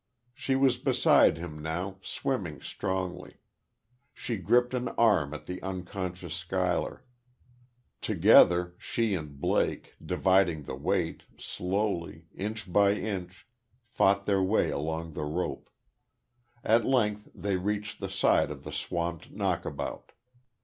She was beside him, now, swimming strongly. She gripped an arm of the unconscious Schuyler.... Together, she and Blake, dividing the weight, slowly, inch by inch, fought their way along the rope. At length they reached the side of the swamped knockabout....